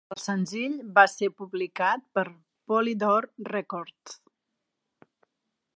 El senzill va ser publicat per Polydor Records.